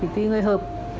tuy người hợp